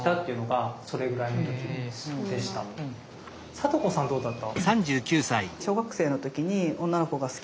さと子さんどうだった？